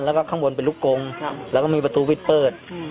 แล้วข้างบนเป็นรุกกงแล้วมันมีประตูปิดเปิด